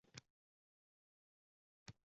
Joʼn libosga jozib ruh bermak.